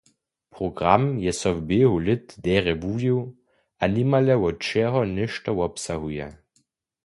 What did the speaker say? Program je so w běhu lět derje wuwił a nimale wot wšeho něšto wobsahuje.